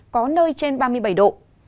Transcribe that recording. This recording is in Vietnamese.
có nơi trên ba mươi bảy độ